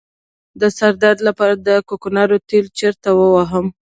د سر درد لپاره د کوکنارو تېل چیرته ووهم؟